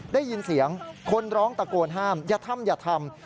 ได้ยินเสียงคนร้องตะโกนห้ามอย่าทำอย่าทำ